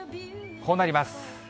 こうなります。